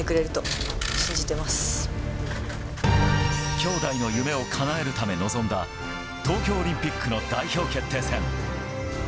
兄妹の夢をかなえるため臨んだ東京オリンピックの代表決定戦。